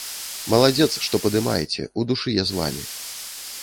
Маладзец, што падымаеце, у душы я з вамі.